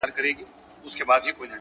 د عمل دوام شخصیت ته شکل ورکوي!.